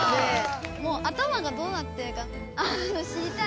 もう頭がどうなってるか知りたい。